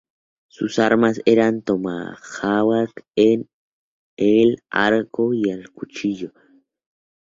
Sus armas eran el tomahawk, el arco y el cuchillo.